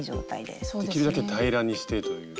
できるだけ平らにしてという。